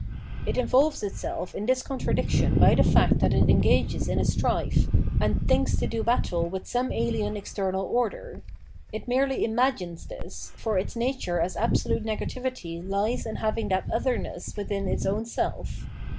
It involves itself in this contradiction by the fact that it engages in a strife and thinks to do battle with some ahen external other. It merely imagines this, for its nature as absolute negativity hes in having that otherness within its own self.